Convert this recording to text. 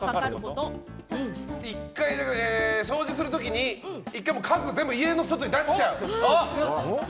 掃除するときに一回家具を全部家の外に出しちゃう？